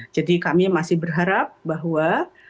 jadi kami masih berharap bahwa